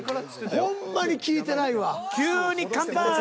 ほんまに聞いてないわ。